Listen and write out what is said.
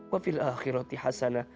wafil akhirati hasana